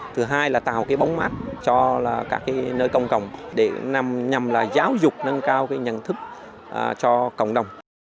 thứ hai là tạo bóng mát cho các nơi công cộng để nhằm giáo dục nâng cao nhận thức cho cộng đồng